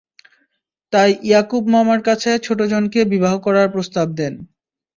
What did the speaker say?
তাই ইয়াকূব মামার কাছে ছোটজনকে বিবাহ করার প্রস্তাব দেন।